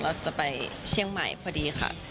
เราจะไปเชียงใหม่พอดีค่ะ